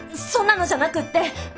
そんなのじゃなくって。